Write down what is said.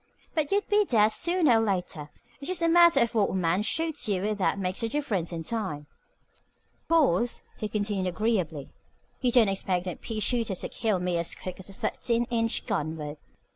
But you'd be dead sooner or later. It's just a matter of what a man shoots you with that makes the difference in time. "Of course," he continued agreeably, "you don't expect no pea shooter to kill me as quick as a thirteen inch gun would.